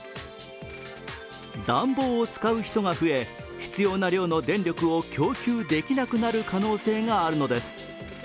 暖房を使う人が増え必要な量の電力を供給できなくなる可能性があるのです。